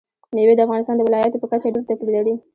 مېوې د افغانستان د ولایاتو په کچه ډېر توپیر لري.